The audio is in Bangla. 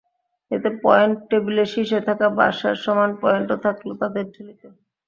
এতে পয়েন্ট টেবিলের শীর্ষে থাকা বার্সার সমান পয়েন্টও থাকল তাদের ঝুলিতে।